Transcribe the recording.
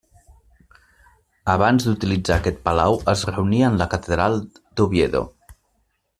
Abans d'utilitzar aquest palau es reunia en la Catedral d'Oviedo.